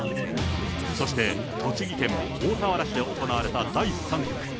そして、栃木県大田原市で行われた第３局。